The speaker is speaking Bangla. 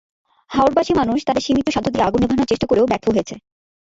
হাওরবাসী মানুষ তাদের সীমিত সাধ্য দিয়ে আগুন নেভানোর চেষ্টা করেও ব্যর্থ হয়েছে।